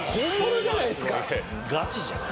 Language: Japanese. ガチじゃない。